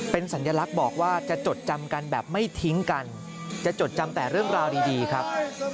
เป็นสัญลักษณ์บอกว่าจะจดจำกันแบบไม่ทิ้งกันจะจดจำแต่เรื่องราวดีครับ